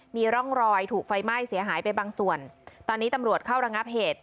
มีร่องรอยถูกไฟไหม้เสียหายไปบางส่วนตอนนี้ตำรวจเข้าระงับเหตุ